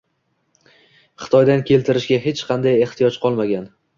Xitoydan keltirishga hech qanday ehtiyoj qolmagan.